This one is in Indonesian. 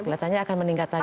kelasannya akan meningkat lagi